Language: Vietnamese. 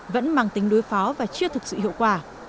vẫn mang tính đối phó và chưa thực sự hiệu quả